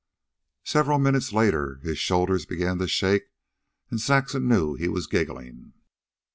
Several minutes later his shoulders began to shake, and Saxon knew he was giggling.